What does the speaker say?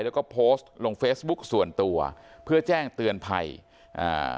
แล้วก็โพสต์ลงเฟซบุ๊กส่วนตัวเพื่อแจ้งเตือนภัยอ่า